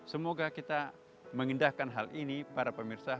semoga kita mengindahkan hal ini para pemirsa